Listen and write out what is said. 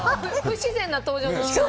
不自然な登場の仕方。